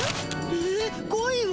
ええ恋は？